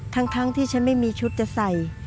ทั้งที่ฉันไม่มีชุดจะใส่